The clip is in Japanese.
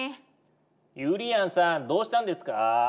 ゆりやんさんどうしたんですか？